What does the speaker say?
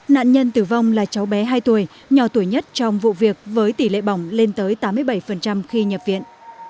nạn nhân tử vong là cháu bé hai tuổi nhỏ tuổi nhất trong vụ việc với tỷ lệ bỏng lên tới tám mươi bảy khi nhập viện